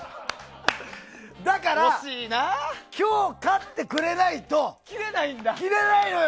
だから、今日勝ってくれないと着れないのよ！